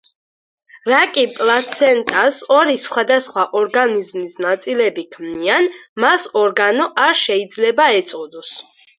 რაკი პლაცენტას ორი სხვადასხვა ორგანიზმის ნაწილები ქმნიან, მას ორგანო არ შეიძლება ეწოდოს.